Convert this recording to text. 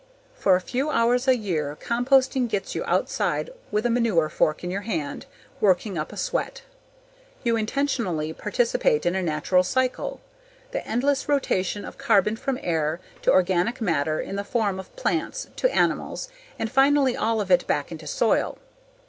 For a few hours a year, composting gets you outside with a manure fork in your hand, working up a sweat. You intentionally participate in a natural cycle: the endless rotation of carbon from air to organic matter in the form of plants, to animals, and finally all of it back into soil.